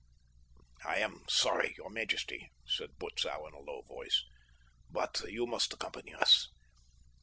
"I am sorry, your majesty," said Butzow in a low voice, "but you must accompany us.